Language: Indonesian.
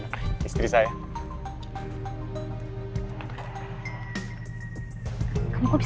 makanya harusnya autoprojecta dulu